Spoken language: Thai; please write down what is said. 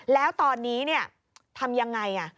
แล้วตอนนี้ทำยังไง